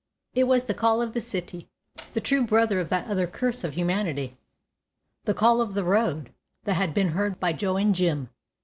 It was the "Call of the City", the true brother of that other curse of humanity, the "Call of the Road", that had been heard by Joe and Jim.